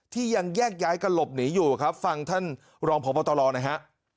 ที่ยังแยกย้ายกันหลบหนีอยู่ครับฟังท่านรองพบตรหน่อยฮะ